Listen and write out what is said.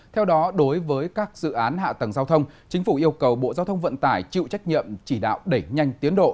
theo đó đối với các dự án hạ tầng giao thông chính phủ yêu cầu bộ giao thông vận tải chịu trách nhiệm chỉ đạo đẩy nhanh tiến độ